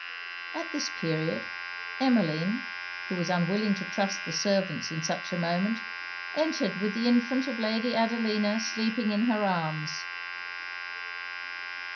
At this period, Emmeline, who was unwilling to trust the servants in such a moment, entered with the infant of Lady Adelina sleeping in her arms.